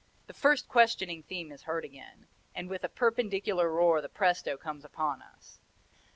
The first questioning theme is heard again, and with a perpendicular roar the presto comes upon us.